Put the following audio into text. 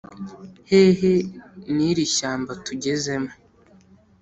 hehe n'iri shyamba tugezemo